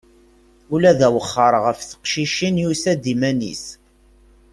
Ula d awexxer ɣef teqcicin yusa-d iman-is.